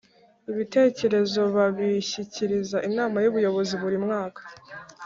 Ibitecyerezo babishyikiriza Inama y ‘Ubuyobozi Buri mwaka .